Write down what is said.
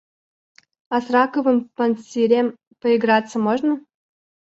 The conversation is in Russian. А с раковым панцирем поиграться можно?